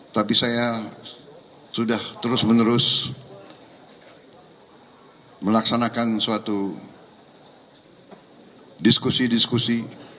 tapi saya sudah terus menerus melaksanakan suatu diskusi diskusi